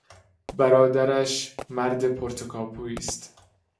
برادرش مرد پرتکاپویی است.